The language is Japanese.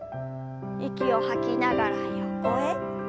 息を吐きながら横へ。